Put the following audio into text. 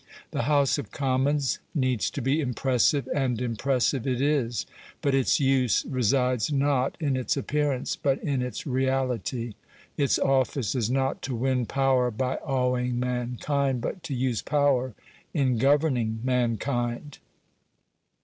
The House of Commons needs to be impressive, and impressive it is: but its use resides not in its appearance, but in its reality. Its office is not to win power by awing mankind, but to use power in governing mankind.